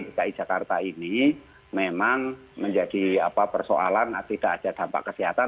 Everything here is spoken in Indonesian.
dki jakarta ini memang menjadi persoalan tidak ada dampak kesehatan